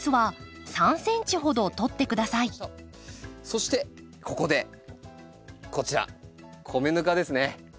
そしてここでこちら米ぬかですね。